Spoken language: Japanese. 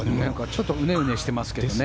ちょっとうねうねしてますけどね。